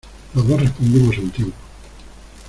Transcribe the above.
los dos respondimos a un tiempo: